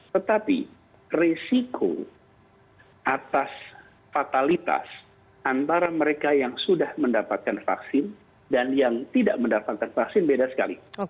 tetapi resiko atas fatalitas antara mereka yang sudah mendapatkan vaksin dan yang tidak mendapatkan vaksin beda sekali